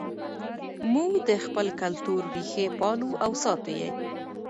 موږ د خپل کلتور ریښې پالو او ساتو یې.